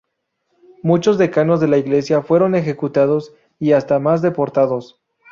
Muchos decanos de la Iglesia fueron ejecutados, y hasta más deportados.